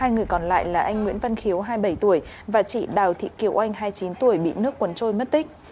hai người còn lại là anh nguyễn văn khiếu hai mươi bảy tuổi và chị đào thị kiều anh hai mươi chín tuổi bị nước quấn trôi mất tích